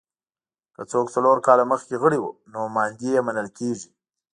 که څوک څلور کاله مخکې غړي وو نوماندي یې منل کېږي